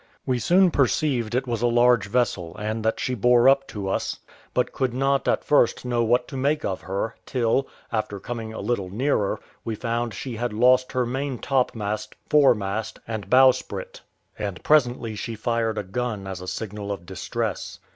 We soon perceived it was a large vessel, and that she bore up to us, but could not at first know what to make of her, till, after coming a little nearer, we found she had lost her main topmast, fore mast, and bowsprit; and presently she fired a gun as a signal of distress.